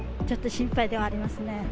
ちょっと心配ではありますね。